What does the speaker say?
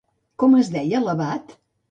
Com es deia l'abat?